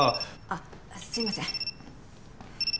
あっすいません。